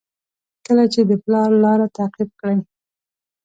کله چې د پلار لاره تعقیب کړئ.